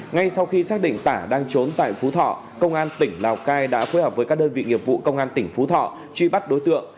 ngay sau khi xác định tả đang trốn tại phú thọ công an tỉnh lào cai đã phối hợp với các đơn vị nghiệp vụ công an tỉnh phú thọ truy bắt đối tượng